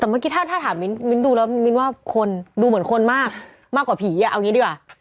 แต่เมื่อกี้ถ้าถามมิ้นต์มิ้นต์ดูแล้วมิ้นต์ว่าคนดูเหมือนคนมากมากกว่าผีอะเอาอย่างงี้ดีกว่า